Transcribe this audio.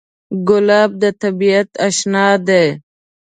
ګلاب د طبیعت اشنا دی.